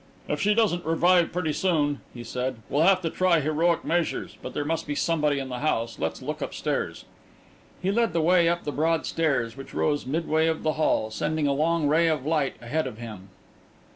"If she doesn't revive pretty soon," he said, "we'll have to try heroic measures. But there must be somebody in the house. Let's look upstairs." He led the way up the broad stairs, which rose midway of the hall, sending a long ray of light ahead of him.